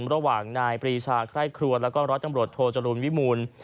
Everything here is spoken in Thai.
ระหว่างนายปรีชาไคร่ครัวแล้วก็ร้อยตำรวจโทจรูลวิมูล